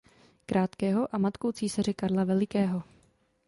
Krátkého a matkou císaře Karla Velikého.